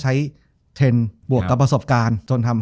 จบการโรงแรมจบการโรงแรม